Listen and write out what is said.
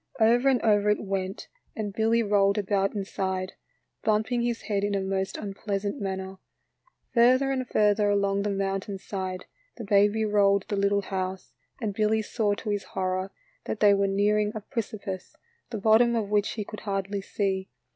Over and over it went ; and Billy rolled about inside, bumping his head in a most unpleasant manner. Further and further along the mountainside the baby rolled the little house, and Billy saw to his horror that they were nearing a precipice, the bottom of which he could hardly see.